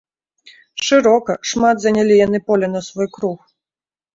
Шырока, шмат занялі яны поля на свой круг.